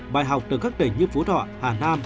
bài học từ các tỉnh như phú thọ hà nam